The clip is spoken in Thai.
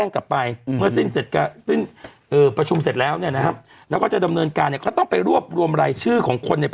กุบพี้ดูจากหนังสือออกไหม